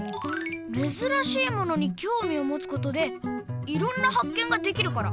めずらしいものにきょうみをもつことでいろんなはっけんができるから！